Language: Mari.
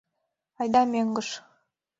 Айда мӧҥгыш.